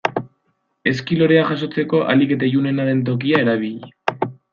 Ezki lorea jasotzeko ahalik eta ilunena den tokia erabili.